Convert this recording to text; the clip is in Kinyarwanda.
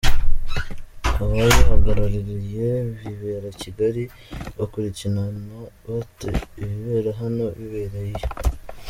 Abayihagarariye bibera i Kigali, bakurikirana bate ibibera hano bibereye iyo?”.